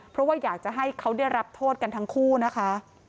เพราะว่าอยากจะให้เขาได้รับโทษกันทั้งคู่นะคะ